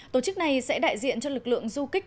tổ chức này sẽ đại diện cho lực lượng du kích